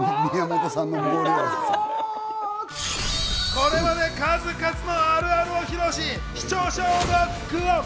これまで数々のあるあるを披露し、視聴者をロックオン！